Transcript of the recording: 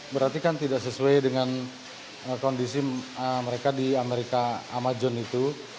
berarti kan tidak sesuai dengan kondisi mereka di amerika amazon itu